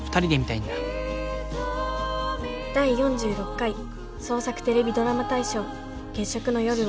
第４６回創作テレビドラマ大賞「月食の夜は」。